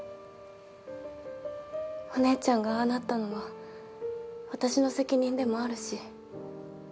お姉ちゃんがああなったのは私の責任でもあるし。